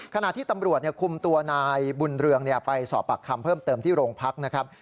ขณะที่ตำรวจคุมตัวนายบุญเรืองไปสอบปากคำเพิ่มเติมที่โรงพักนะครับ